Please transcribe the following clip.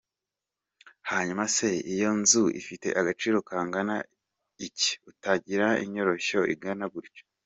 Hanyuma se iyo nzu ifite agaciro kangana iki utangira inyoroshyo ingana gutyo.